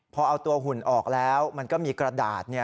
พอเอาตัวหุ่นออกแล้วมันก็มีกระดาษ